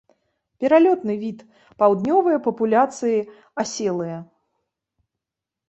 Пералётны від, паўднёвыя папуляцыі аселыя.